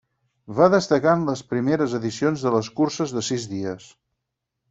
Va destacar en les primeres edicions de les curses de sis dies.